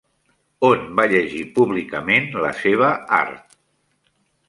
On va llegir públicament la seva Art?